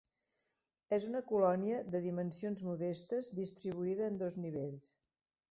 És una colònia de dimensions modestes, distribuïda en dos nivells.